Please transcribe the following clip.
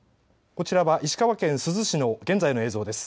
こちら石川県珠洲市の現在の映像です。